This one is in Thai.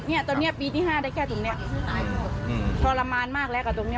เนี้ยตอนเนี้ยปีที่ห้าได้แค่ตรงเนี้ยตายหมดอืมทรมานมากแล้วกับตรงเนี้ย